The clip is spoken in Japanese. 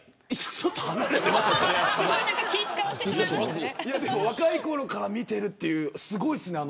ちょっと若いころから見ているというすごいですね。